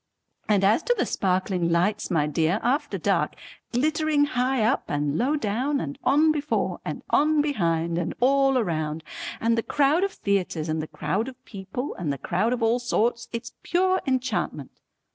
And as to the sparkling lights my dear after dark, glittering high up and low down and on before and on behind and all round, and the crowd of theatres and the crowd of people and the crowd of all sorts, it's pure enchantment.